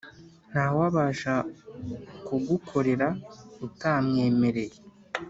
nta wabasha kugukorera utamwemereye